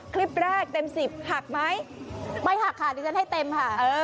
คลิปแรกเต็มสิบหักไหมไม่หักค่ะดิฉันให้เต็มค่ะ